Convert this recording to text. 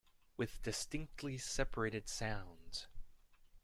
With distinctly separated sounds.